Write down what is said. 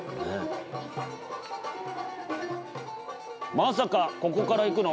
まさかここからいくの？